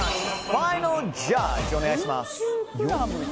ファイナルジャッジお願いします。